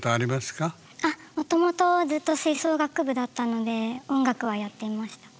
あっもともとずっと吹奏楽部だったので音楽はやっていました。